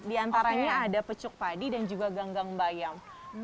di antaranya ada pecuk padi dan juga ganggang bayam